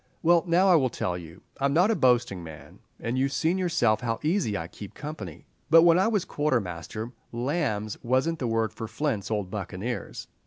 Well, now, I will tell you. I'm not a boasting man, and you seen yourself how easy I keep company; but when I was quartermaster, lambs wasn't the word for Flint's old buccaneers."